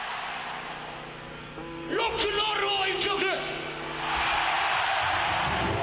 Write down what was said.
ロックンロールを１曲！